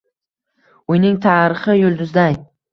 Uyning tarxi yulduzday